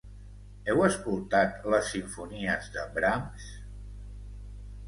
Heu escoltat les simfonies de Brahms?